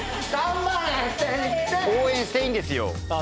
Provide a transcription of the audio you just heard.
応援していいんですよ。